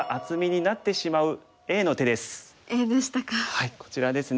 はいこちらですね。